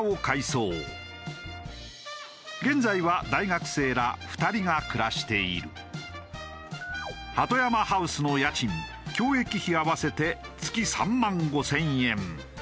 現在は大学生ら２人が暮らしている。はとやまハウスの家賃共益費合わせて月３万５０００円。